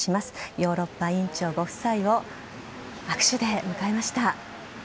ヨーロッパ委員長ご夫妻を握手で迎えました。